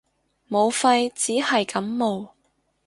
武肺只係感冒